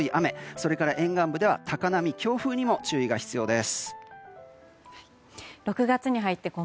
それから沿岸部では高波、強風にも注意が必要です。